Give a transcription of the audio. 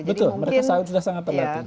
betul mereka sudah sangat terlatih